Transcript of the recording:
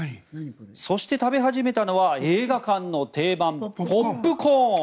そして食べ始めたのは映画館の定番、ポップコーン。